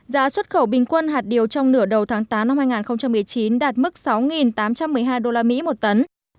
giá xuất khẩu bình quân hạt điều trong nửa đầu tháng tám năm hai nghìn một mươi chín đạt mức sáu tám trăm một mươi hai usd một tấn